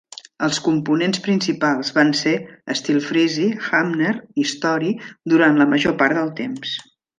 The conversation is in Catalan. Els components principals van ser Stelfreeze, Hamner i Story durant la major part del temps.